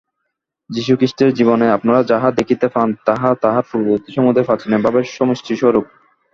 যীশুখ্রীষ্টের জীবনে আপনারা যাহা দেখিতে পান, তাহা তাঁহার পূর্ববর্তী সমুদয় প্রাচীন ভাবের সমষ্টিস্বরূপ।